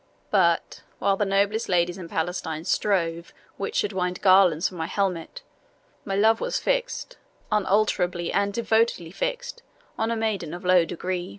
But while the noblest ladies in Palestine strove which should wind garlands for my helmet, my love was fixed unalterably and devotedly fixed on a maiden of low degree.